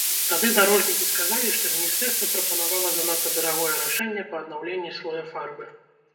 Тады дарожнікі сказалі, што міністэрства прапанавала занадта дарагое рашэнне па аднаўленні слоя фарбы.